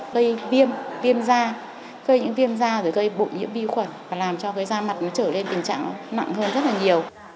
gây viêm da gây những viêm da rồi gây bụi nhiễm vi khuẩn và làm cho cái da mặt nó trở lên tình trạng nặng hơn rất là nhiều